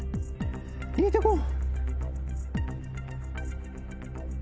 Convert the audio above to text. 入れてこう。